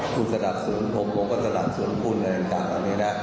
คุณสนับสนุนพบผมก็สนับสนุนพูดในการกันนี้นะ